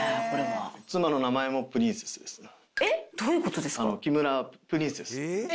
どういうことですか？